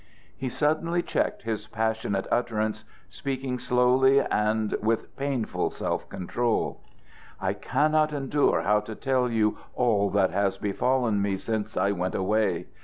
He suddenly checked his passionate utterance, speaking slowly and with painful self control: "I cannot endure how to tell you all that has befallen me since I went away.